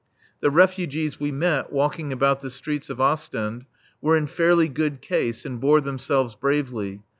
The refugees we met walking about the streets of Ostend were in fairly good case and bore themselves bravely.